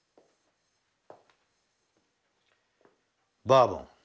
バーボン。